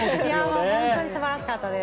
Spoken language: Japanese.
本当に素晴らしかったです。